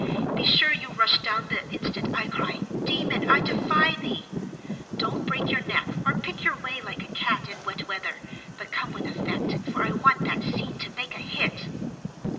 Be sure you rush down the instant I cry, 'Demon, I defy thee!' Don't break your neck, or pick your way like a cat in wet weather, but come with effect, for I want that scene to make a hit."